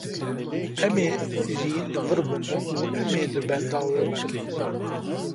Em ê jî li wir bin û em ê li benda we bin